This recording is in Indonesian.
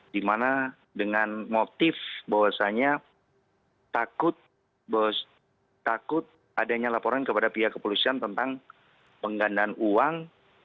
dimana dengan motif bahwasanya takut adanya laporan kepada pihak kepolisian tentang penggandaan uang